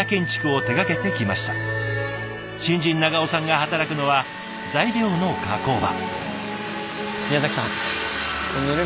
新人長尾さんが働くのは材料の加工場。